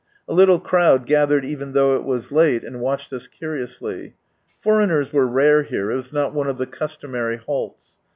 A little crowd gathered even though it was late, and watched us curiously. Foreigners were rare here, it was not one of the customary halts.